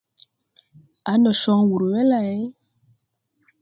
Aã, ndo con wur we lay ?